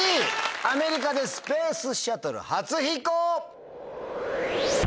アメリカでスペースシャトル初飛行。